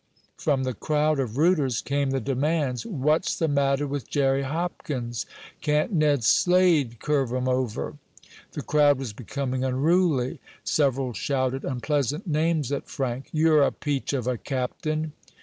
From the crowd of rooters came the demands. "What's the matter with Jerry Hopkins?" "Can't Ned Slade curve 'em over?" The crowd was becoming unruly. Several shouted unpleasant names at Frank. "You're a peach of a captain!"